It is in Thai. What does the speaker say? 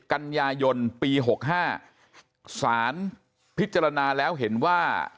กันยายนปี๖๕สารพิจารณาแล้วเห็นว่า